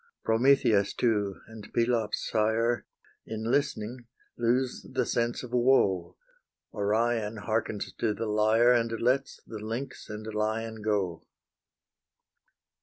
Prometheus too and Pelops' sire In listening lose the sense of woe; Orion hearkens to the lyre, And lets the lynx and lion go.